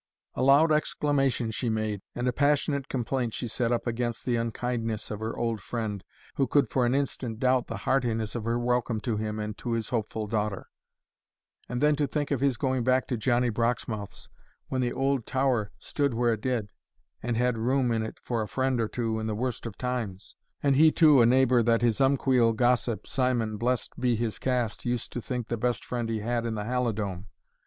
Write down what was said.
A loud exclamation she made, and a passionate complaint she set up against the unkindness of her old friend, who could for an instant doubt the heartiness of her welcome to him and to his hopeful daughter; and then to think of his going back to Johnny Broxmouth's, when the auld tower stood where it did, and had room in it for a friend or two in the worst of times and he too a neighbour that his umquhile gossip Simon, blessed be his cast, used to think the best friend he had in the Halidome!